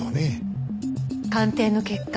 鑑定の結果